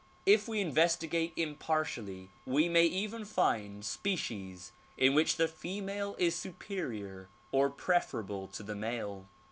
If we investigate impartially we may even find species in which the female is superior or preferable to the male.